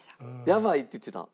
「やばい」って言ってたん？